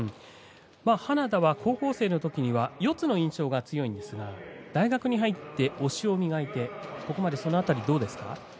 花田は高校生のときは四つの印象が強いんですが大学に入って押しを磨いてその辺りどうですか。